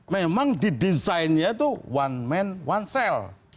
memang di desainnya itu one man one sale